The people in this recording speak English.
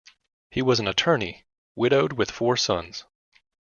He was an attorney, widowed with four sons.